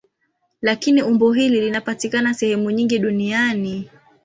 Lakini umbo hili linapatikana sehemu nyingi duniani.